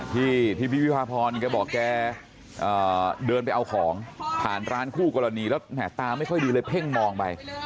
ที่พี่วิพาพรแกบอกแกเดินไปเอาของผ่านร้านคู่กรณีแล้วแห่ตาไม่ค่อยดีเลยเพ่งมองไป